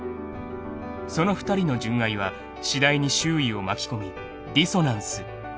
［その２人の純愛は次第に周囲を巻き込み］